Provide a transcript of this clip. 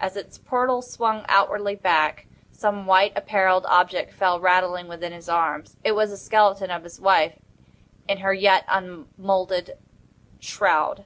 As its portals swung outwardly back, some white apparelled object fell rattling within his arms. It was the skeleton of his wife in her yet unmoulded shroud.